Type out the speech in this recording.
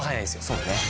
そうね